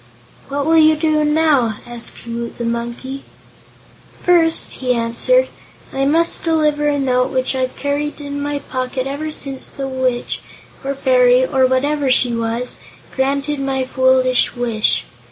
"What will you do now?" asked Woot the Monkey. "First," he answered, "I must deliver a note which I've carried in my pocket ever since the witch, or fairy, or whatever she was, granted my foolish wish.